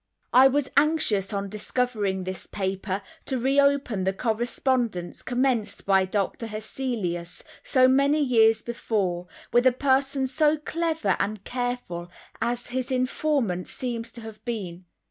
I was anxious on discovering this paper, to reopen the correspondence commenced by Doctor Hesselius, so many years before, with a person so clever and careful as his informant seems to have been.